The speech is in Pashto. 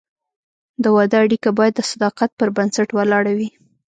د واده اړیکه باید د صداقت پر بنسټ ولاړه وي.